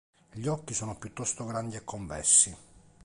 Gli occhi sono piuttosto grandi e convessi.